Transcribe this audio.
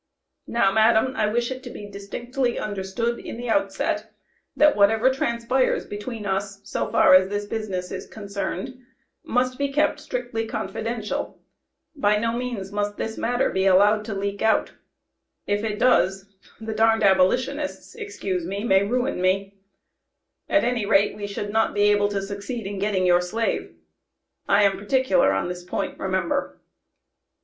Now, madam, I wish it to be distinctly understood in the outset, that whatever transpires between us, so far as this business is concerned, must be kept strictly confidential, by no means, must this matter be allowed to leak out; if it does, the darned abolitionists (excuse me), may ruin me; at any rate we should not be able to succeed in getting your slave. I am particular on this point, remember."